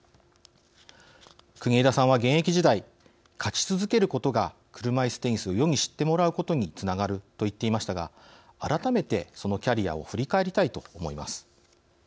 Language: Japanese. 国枝さんは現役時代勝ち続けることが車いすテニスを世に知ってもらうことにつながると言っていましたが改めて、そのキャリアを振り返りたいと思います。